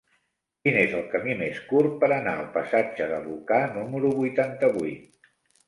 Quin és el camí més curt per anar al passatge de Lucà número vuitanta-vuit?